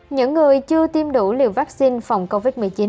những người chưa tiêm đủ liều vaccine phòng covid một mươi chín